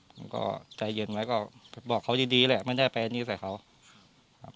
ผมก็ใจเย็นไว้ก็บอกเขาดีดีแหละไม่ได้ไปอันนี้ใส่เขาครับ